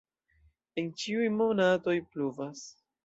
En ĉiuj monatoj pluvas.